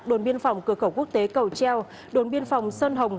đồn biên phòng cửa khẩu quốc tế cầu treo đồn biên phòng sơn hồng